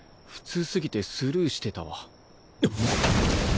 普通すぎてスルーしてたわ。